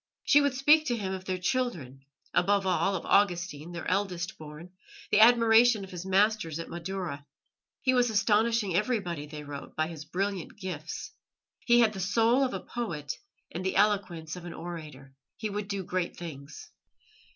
She would speak to him of their children above all, of Augustine, their eldest born, the admiration of his masters at Madaura. He was astonishing everybody, they wrote, by his brilliant gifts. He had the soul of a poet and the eloquence of an orator; he would do great things.